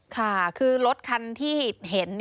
ค่ะคือรถคันที่เห็น